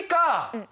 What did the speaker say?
うん。